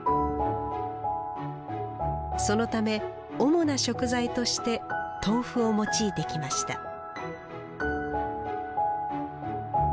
そのため主な食材として豆腐を用いてきました